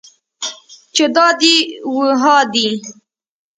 چې دا دي و ها دي.